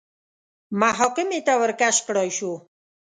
محاکمې ته ورکش کړای شو